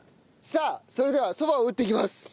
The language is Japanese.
さあそれではそばを打っていきます。